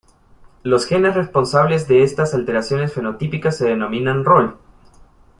Los genes responsables de estas alteraciones fenotípicas se denominan "rol".